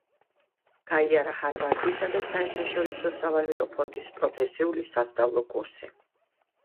გაიარა ჰარვარდისა და საერთაშორისო სავალუტო ფონდის პროფესიული სასწავლო კურსები.